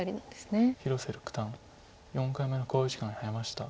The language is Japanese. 広瀬六段４回目の考慮時間に入りました。